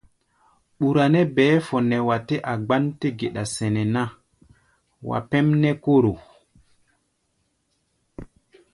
Ɓúra nɛ́ bɛɛ́ fɔ nɛ wa tɛ́ a gbán-té geɗa sɛnɛ ná, wa pɛ́m nɛ́ kóro.